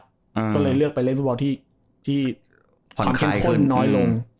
อืมก็เลยเลือกไปเล่นฟุตบอลที่ที่ผ่อนคลายขึ้นน้อยลง